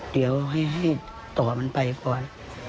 เดี๋ยวให้ต่อมันไปก่อน